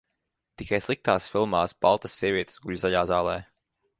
Tikai sliktās filmās baltas sievietes guļ zaļā zālē.